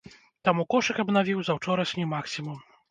Таму кошык абнавіў заўчорашні максімум.